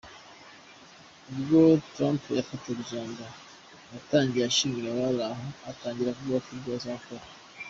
Ubwo Trump yafataga ijambo yatangiye ashimira abari aho, atangira avuga ibyo azakora.